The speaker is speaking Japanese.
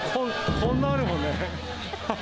こんなにあるもんね。